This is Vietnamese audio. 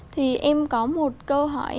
thì em có một câu hỏi